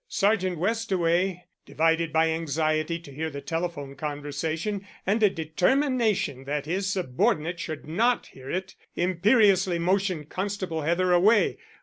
Sergeant Westaway, divided by anxiety to hear the telephone conversation and a determination that his subordinate should not hear it, imperiously motioned Constable Heather away.